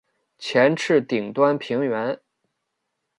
前翅顶端平圆。